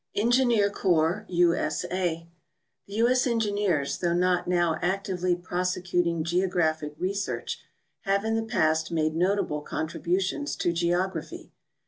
Engineer Corps, U. S. A. — TheU. S. Engineers, though not now actively prosecuting geographic research, have in the past made notable contributions to geography.